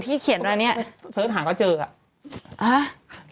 เนี๊ยะเสิร์ชหาแล้ว